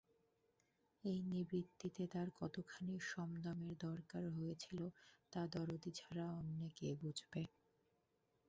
এই নিবৃত্তিতে তার কতখানি শমদমের দরকার হয়েছিল তা দরদী ছাড়া অন্যে কে বুঝবে।